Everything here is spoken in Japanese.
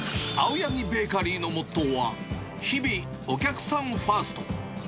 青柳ベーカリーのモットーは、日々、お客さんファースト。